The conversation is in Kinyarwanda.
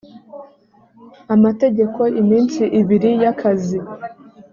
amategeko iminsi ibiri y akazi